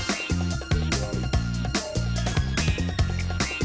masuk dong nih